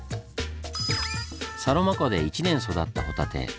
サロマ湖で１年育ったホタテ。